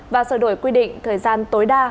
và sửa đổi quy định thời gian tối đa